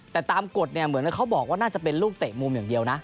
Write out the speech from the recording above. แต่ตามกฎเนี่ยเหมือนเขาบอกว่าน่าจะเป็นลูกเตะมุมอย่างเดียวนะ